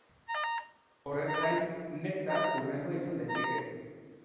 Horrez gain, Nektar hurrengoa izan daiteke.